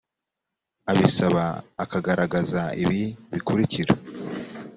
abisaba akagaragaza ibi bikurikira: